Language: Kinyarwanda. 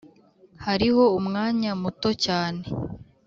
hariho umwanya muto cyane